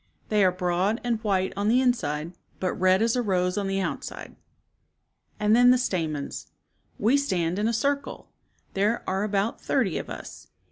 They are broad and white on the inside, but red as a rose on the outside." And then the stamens. " We stand in a circle. There are about thirty of us.